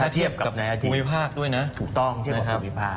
ถ้าเทียบกับในภูมิภาคด้วยนะถูกต้องเทียบกับภูมิภาค